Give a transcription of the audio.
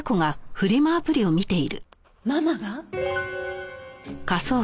ママが？